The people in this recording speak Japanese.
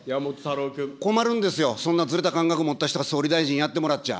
困るんですよ、そんなずれた感覚持った人が総理大臣やってもらっちゃ。